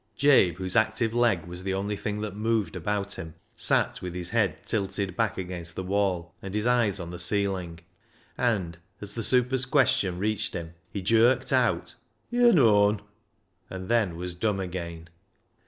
" Jabe, whose active leg was the only thing that moved about him, sat with his head tilted back against the wall and his eyes on the ceiling, and, as the super's question reached him, he jerked out —" Yo' known," and then was dumb again.